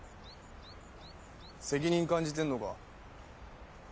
責任感じてんのか？